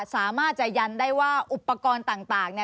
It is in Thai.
สามารถจะยันได้ว่าอุปกรณ์ต่าง